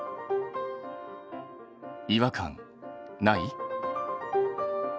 違和感ない？